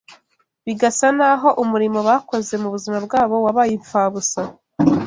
bigasa n’aho umurimo bakoze mu buzima bwabo wabaye imfabusa